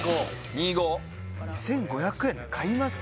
２５００円で買います？